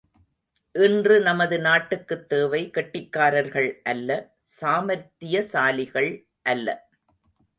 இன்று நமது நாட்டுக்குத் தேவை கெட்டிக்காரர்கள் அல்ல சாமர்த்திய சாலிகள் அல்ல.